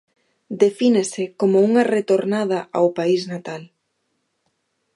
Defínese como unha retornada ao país natal.